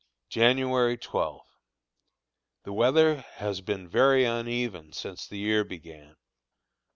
January 12. The weather has been very uneven since the year began.